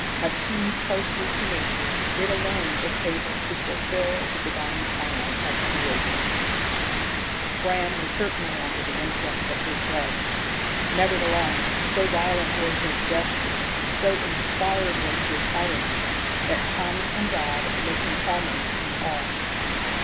Attuned closely to nature, it alone is able to fulfil the divine plan of Creation." Bram was certainly under the influence of his drug; nevertheless, so violent were his gestures, so inspired was his utterance, that Tommy and Dodd listened almost in awe.